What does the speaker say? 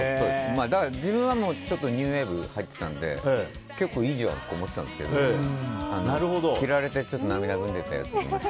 だから、自分はニューウェーブに入っていたので結構いいじゃんとか思ってたんですけど切られて、涙ぐんでたやつもいました。